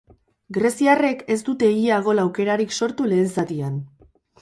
Greziarrek ez dute ia gol aukerarik sortu lehen zatian.